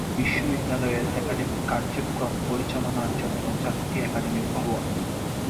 বিশ্ববিদ্যালয়ের অ্যাকাডেমিক কার্যক্রম পরিচালনার জন্য রয়েছে চারটি অ্যাকাডেমিক ভবন।